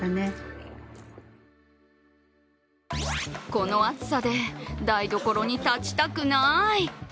この暑さで台所に立ちたくない！